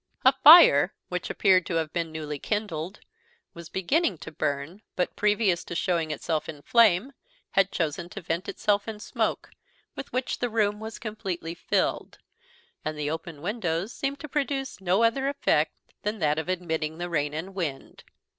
A fire, which appeared to have been newly kindled, was beginning to burn, but, previous to showing itself in flame, had chosen to vent itself in smoke, with which the room was completely filled, and the open windows seemed to produce no other effect than that of admitting the rain and wind.